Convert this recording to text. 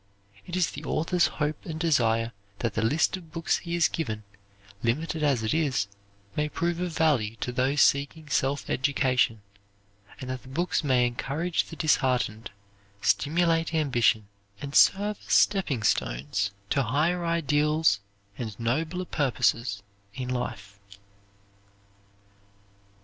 It is the author's hope and desire that the list of books he has given, limited as it is, may prove of value to those seeking self education, and that the books may encourage the disheartened, stimulate ambition, and serve as stepping stones to higher ideals and nobler purposes in life.